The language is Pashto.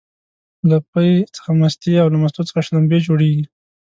له پی څخه مستې او له مستو څخه شلومبې جوړيږي